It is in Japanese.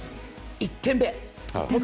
１点目。